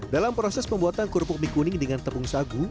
dalam proses pembuatan kerupuk mie kuning dengan tepung sagu